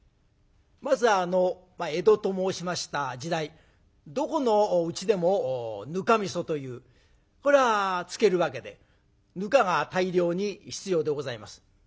まず江戸と申しました時代どこのうちでもぬかみそというこれは漬けるわけでぬかが大量に必要でございます。